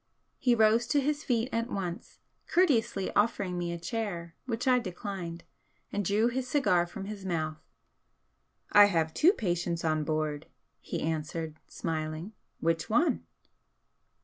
He rose to his feet at once, courteously offering me a chair, which I declined, and drew his cigar from his mouth. "I have two patients on board," he answered, smiling "Which one?"